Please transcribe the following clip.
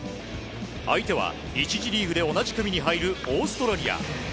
相手は１次リーグで同じ組に入るオーストラリア。